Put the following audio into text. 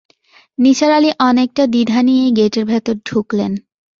নিসার আলি অনেকটা দ্বিধা নিয়েই গেটের ভেতর ঢুকলেন।